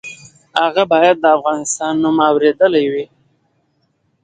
هغه باید د افغانستان نوم اورېدلی وي.